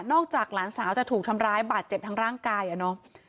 จากหลานสาวจะถูกทำร้ายบาดเจ็บทั้งร่างกายอะเนาะ